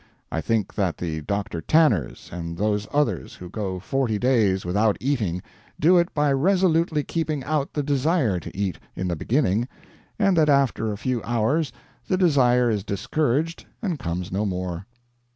I think that the Dr. Tanners and those others who go forty days without eating do it by resolutely keeping out the desire to eat, in the beginning, and that after a few hours the desire is discouraged and comes no more.